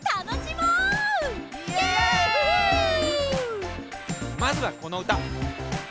まずはこのうた。